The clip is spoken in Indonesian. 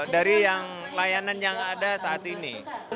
dari yang layanan yang ada saat ini